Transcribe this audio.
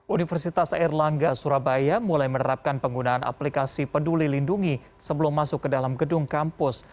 universitas airlangga surabaya mulai menerapkan penggunaan aplikasi peduli lindungi sebelum masuk ke dalam gedung kampus